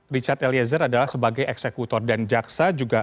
richard eliezer adalah sebagai eksekutor dan jaksa juga